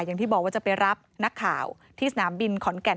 อย่างที่บอกว่าจะไปรับนักข่าวที่สนามบินขอนแก่น